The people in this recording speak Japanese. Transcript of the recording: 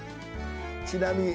ちなみに。